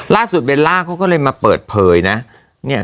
ล่าสุดเบรลล่าเขาก็เลยมาเปิดเผยน่ะเนี้ย